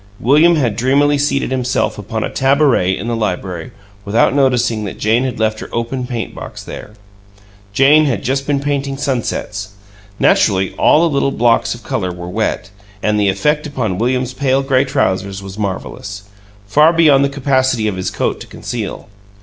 William had dreamily seated himself upon a tabouret in the library, without noticing that Jane had left her open paint box there. Jane had just been painting sunsets; naturally all the little blocks of color were wet, and the effect upon William's pale gray trousers was marvelous far beyond the capacity of his coat to conceal.